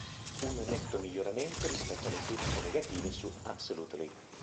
Un netto miglioramento rispetto alle critiche negative su "Absolutely".